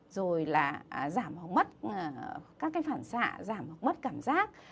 rồi là giảm hoặc mất các cái phản xạ giảm hoặc mất cảm giác